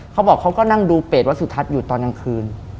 เขาบอกเขาก็นั่งดูเปรตวัสสุทัศน์อยู่ตอนกลางคืน